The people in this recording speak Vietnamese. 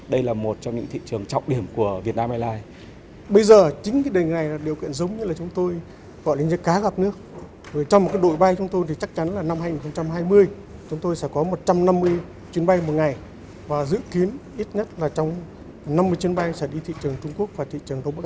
đây là một trong những thị trường trọng điểm của việt nam airlines